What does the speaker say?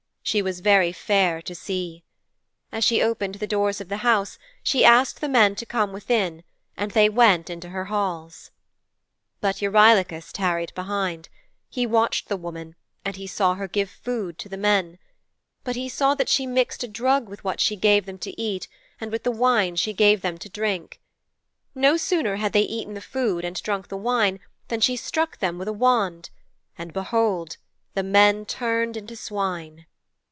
She was very fair to see. As she opened the doors of the house she asked the men to come within and they went into her halls.' 'But Eurylochus tarried behind. He watched the woman and he saw her give food to the men. But he saw that she mixed a drug with what she gave them to eat and with the wine she gave them to drink. No sooner had they eaten the food and drunk the wine than she struck them with a wand, and behold! the men turned into swine.